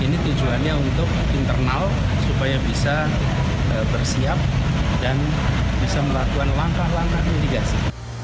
ini tujuannya untuk internal supaya bisa bersiap dan bisa melakukan langkah langkah mitigasi